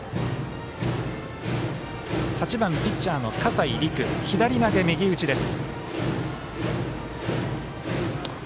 ８番、キャッチャーの葛西陸左投げ右打ちです。